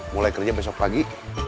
mulai kerja besok pagi